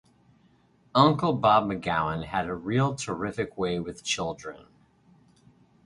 'Uncle' Bob McGowan had a real terrific way with children.